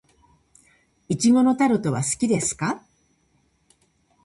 苺のタルトは好きですか。